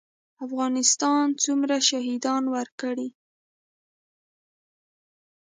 افغانستان څومره شهیدان ورکړي؟